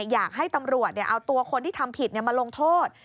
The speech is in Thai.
อยากให้ตำรวจเอาตัวคนที่ทำผิดมาลงโทษ